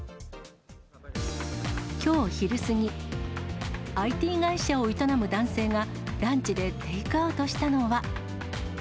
きょう昼過ぎ、ＩＴ会社を営む男性が、ランチでテイクアウトしたのは。